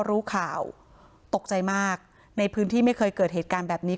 รู้ข่าวตกใจมากในพื้นที่ไม่เคยเกิดเหตุการณ์แบบนี้